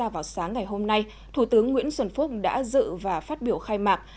vào sáng ngày hôm nay thủ tướng nguyễn xuân phúc đã dự và phát biểu khai mạc